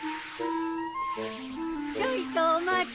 ちょいとお待ち。